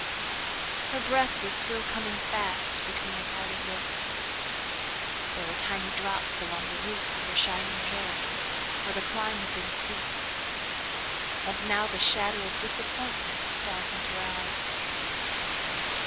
Her breath was still coming fast between her parted lips. There were tiny drops along the roots of her shining hair, for the climb had been steep, and now the shadow of disappointment darkened her eyes.